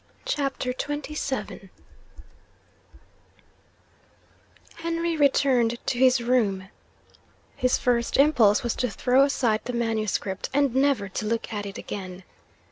CHAPTER XXVII Henry returned to his room. His first impulse was to throw aside the manuscript, and never to look at it again.